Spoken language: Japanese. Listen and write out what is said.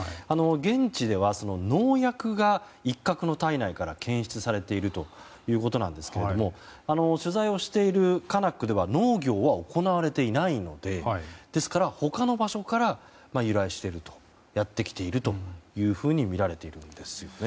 現地では農薬がイッカクの体内から検出されているということなんですが取材をしているカナックでは農業は行われていないのでですから、他の場所から由来しているというふうにみられているんです。